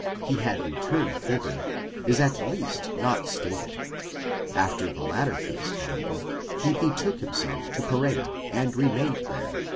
22) he had returned thither, is at least not stated; after the latter feast, however, he betook himself to Perzea, and remained there (x.